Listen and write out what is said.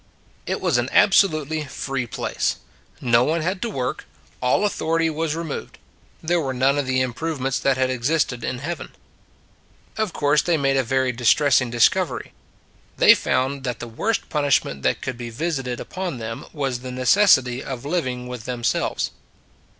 It, was an absolutely free place. No one had to work; all authority was re Our Island of Yap 37 moved; there were none of the improve ments that had existed in Heaven. Of course they made a very distressing discovery: they found that the worst pun ishment that could be visited upon them was the necessity of living with themselves.